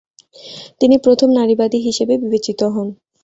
তিনি প্রথম নারীবাদী হিসেবে বিবেচিত হন।